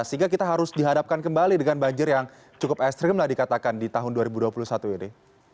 sehingga kita harus dihadapkan kembali dengan banjir yang cukup ekstrim lah dikatakan di tahun dua ribu dua puluh satu ini